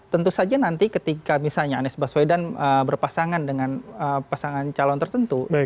tentu saja nanti ketika misalnya anies baswedan berpasangan dengan pasangan calon tertentu